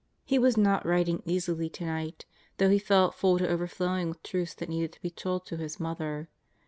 He was not writing easily tonight, though he felt full to over flowing with truths that needed to be told to his mother.